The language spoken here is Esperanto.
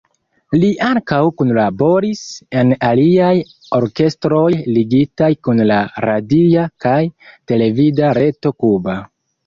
Li ankaŭ kunlaboris en aliaj orkestroj ligitaj kun la radia kaj televida reto kuba.